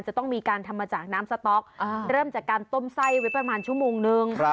จะต้องมีการทำมาจากน้ำสต๊อกเริ่มจากการต้มไส้ไว้ประมาณชั่วโมงนึง